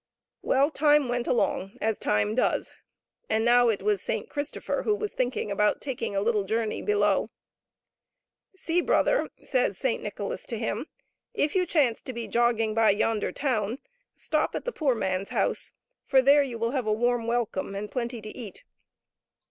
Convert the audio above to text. Well, time went along as time does, and now it was Saint Christopher who was thinking about taking a little journey below. " See, brother," says Saint Nicholas to him, " if you chance to be jogging by yonder town, stop at the poor man's house, for there you will have a warm welcome and plenty to eat."